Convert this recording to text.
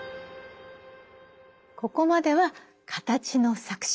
ここまでは形の錯視。